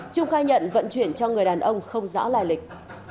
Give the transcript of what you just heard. trung khai nhận vận chuyển cho người đàn ông không rõ lai lịch